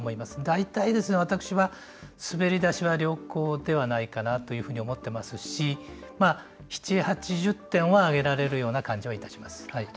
大体、私は滑り出しは良好ではないかなというふうに思ってますし、７０８０点はあげられるような感じはいたします。